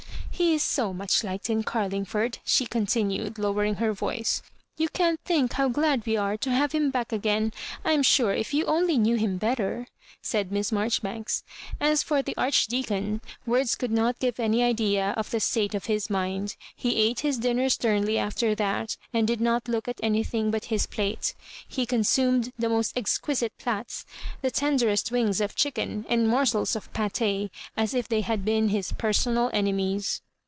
He is so much liked in Carling ford," she continued, lowering her voice. " You can't think how glad we are to have him back again. I am sure if you only knew him bet ter—^ " said Miss Marjoribanks. As for the Archdeacon, words could not give any idea of the state of his mind. He ate his dinner sternly after that, and did not look at anything but his plate. He consumed the most exquisite plats^ the tenderest wings of chicken and morsels of pate, as if they had been his .personal enemies.